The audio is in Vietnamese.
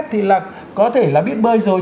thì là có thể là biết bơi rồi